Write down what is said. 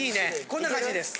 こんな感じです。